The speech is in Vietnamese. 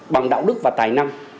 bằng đạo đức và tài năng